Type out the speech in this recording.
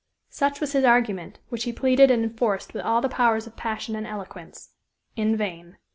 Such was his argument, which he pleaded and enforced with all the powers of passion and eloquence. In vain.